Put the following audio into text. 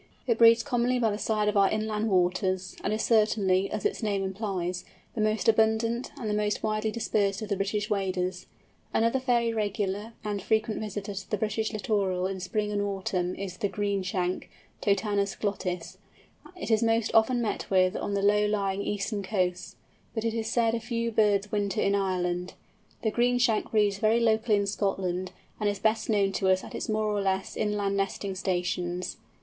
It breeds commonly by the side of our inland waters, and is certainly, as its name implies, the most abundant and the most widely dispersed of the British waders. Another fairly regular and frequent visitor to the British littoral in spring and autumn is the Greenshank (Totanus glottis). It is most often met with on the low lying eastern coasts; but it is said a few birds winter in Ireland. The Greenshank breeds very locally in Scotland, and is best known to us at its more or less inland nesting stations.